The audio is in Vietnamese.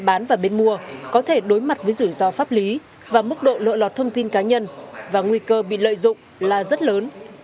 bên mua có thể đối mặt với rủi ro pháp lý và mức độ lộ lọt thông tin cá nhân và nguy cơ bị lợi dụng là rất lớn